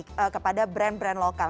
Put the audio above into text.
kepada brand brand lokal